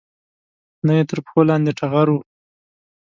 نه یې تر پښو لاندې ټغر و